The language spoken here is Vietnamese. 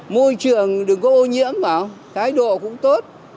môi trường đừng có ô nhiễm bảo thái độ cũng tốt